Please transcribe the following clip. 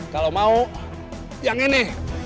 kalau mau yang ini